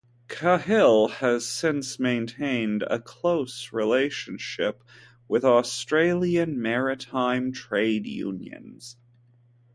Cahill has since maintained a close relationship with Australian maritime trade unions.